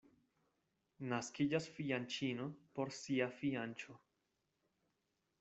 Naskiĝas fianĉino por sia fianĉo.